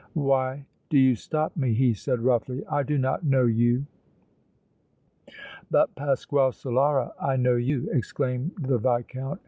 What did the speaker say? "Why, do you stop me?" he said, roughly. "I do not know you." "But, Pasquale Solara, I know you!" exclaimed the Viscount.